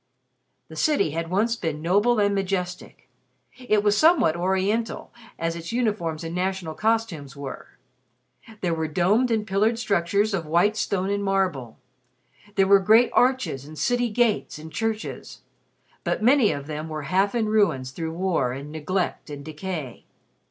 The city had once been noble and majestic. It was somewhat Oriental, as its uniforms and national costumes were. There were domed and pillared structures of white stone and marble, there were great arches, and city gates, and churches. But many of them were half in ruins through war, and neglect, and decay.